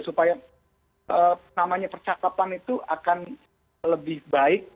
supaya namanya percakapan itu akan lebih baik